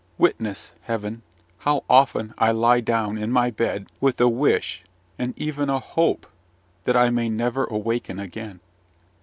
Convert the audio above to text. Witness, Heaven, how often I lie down in my bed with a wish, and even a hope, that I may never awaken again.